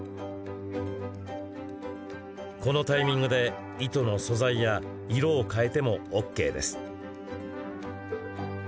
このタイミングで糸の素材や色を変えてもＯＫです。